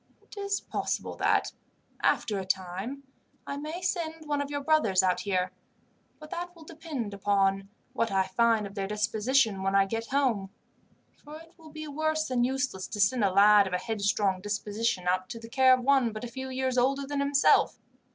"It is possible that, after a time, I may send one of your brothers out here, but that will depend upon what I find of their disposition when I get home; for it will be worse than useless to send a lad of a headstrong disposition out to the care of one but a few years older than himself.